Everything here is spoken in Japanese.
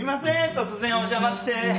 突然お邪魔して。